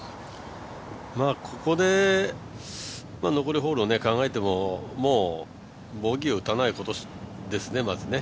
ここで残りホールを考えてももうボギーを打たないことですね、まずね。